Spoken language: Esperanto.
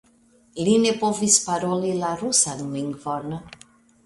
Li ne povis paroli la rusan lingvon.